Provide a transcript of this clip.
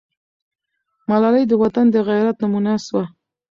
ملالۍ د وطن د غیرت نمونه سوه.